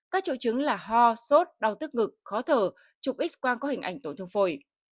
các triệu chứng là ho sốt đau tức ngực khó thở chụp x quang có hình ảnh tổn thương phổi